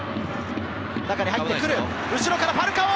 中に入ってくる、後ろからファルカオ！